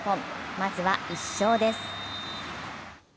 まずは１勝です。